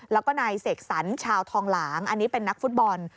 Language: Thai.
แล้วก็นายเสกสรรชาวทองหลางอันนี้เป็นนักฟุตบอล